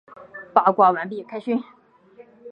八卦完毕，开勋！